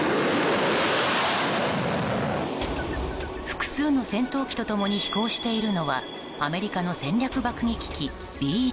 複数の戦闘機と共に飛行しているのはアメリカの戦略爆撃機Ｂ１Ｂ